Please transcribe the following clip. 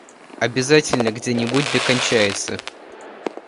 Обязательно где-нибудь да кончается!